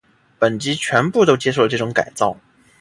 本级全部都接受了这种改造。